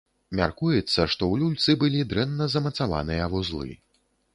Мяркуецца, што ў люльцы былі дрэнна замацаваныя вузлы.